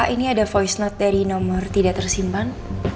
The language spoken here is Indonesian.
ini ada voice note dari nomor tidak tersimpan